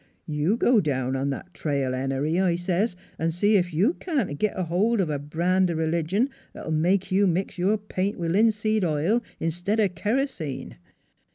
You go down on that trail, Henery,' I says, ' 'n' see ef you can't git a holt of a brand o' r'ligion 'at '11 make you mix your paint with linseed oil 'stead o' kur'sene!